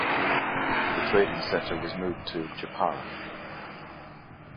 The trading center was moved to Jepara.